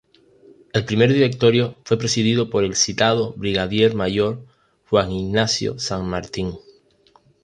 El primer Directorio fue presidido por el citado Brigadier Mayor Juan Ignacio San Martín.